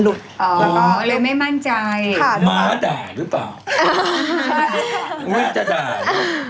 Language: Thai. ดูแล้วไม่มั่นใจม้าต่ายหรือเปล่าไม่ถึงจะต่าย